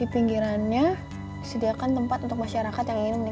maaf ya banget keep udah malu malu